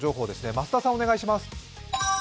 増田さんお願いします。